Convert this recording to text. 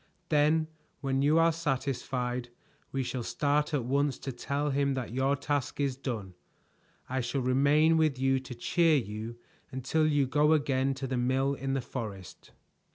"Then when you are satisfied we shall start at once to tell him that your task is done. I shall remain with you to cheer you until you go again to the mill in the forest."